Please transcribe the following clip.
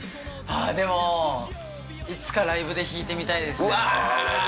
ああでもいつかライブで弾いてみたいですねわあ！